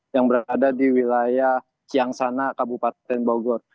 yang berada di wilayah siang sana kabupaten bogor